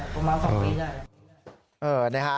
ประมาณ๒ปีได้